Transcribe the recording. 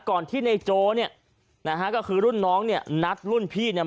ก่อนที่ในโจเนี่ยนะฮะก็คือรุ่นน้องเนี่ยนัดรุ่นพี่เนี่ย